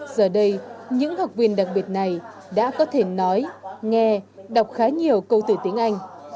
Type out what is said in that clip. giờ đây những học viên đặc biệt này đã có thể nói nghe đọc khá nhiều câu từ tiếng anh